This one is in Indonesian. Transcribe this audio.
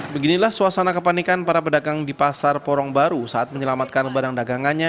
beginilah suasana kepanikan para pedagang di pasar porong baru saat menyelamatkan barang dagangannya